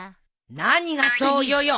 何が「そうよ」よ！